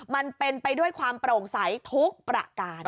มันเป็นไปด้วยความโปร่งใสทุกประการ